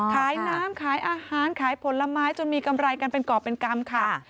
ขายน้ำขายอาหารขายผลไม้จนมีกำไรกันเป็นกรอบเป็นกรรมค่ะ